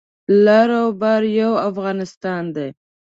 لر او بر یو افغانستان دی